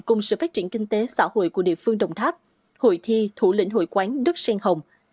cùng sự phát triển kinh tế xã hội của địa phương đồng tháp hội thi thủ lĩnh hội quán đất sen hồng